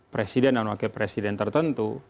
presiden dan wakil presiden tertentu